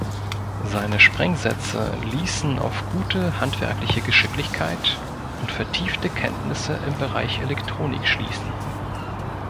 Seine Sprengsätze ließen auf gute handwerkliche Geschicklichkeit und vertiefte Kenntnisse im Bereich Elektronik schließen.